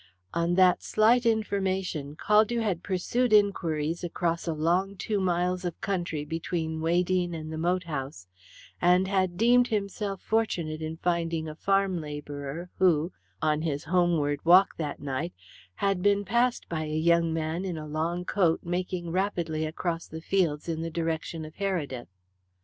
On that slight information Caldew had pursued inquiries across a long two miles of country between Weydene and the moat house, and had deemed himself fortunate in finding a farm labourer who, on his homeward walk that night, had been passed by a young man in a long coat making rapidly across the fields in the direction of Heredith.